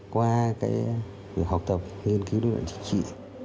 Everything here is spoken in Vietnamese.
qua việc học tập nghiên cứu lý luận chính trị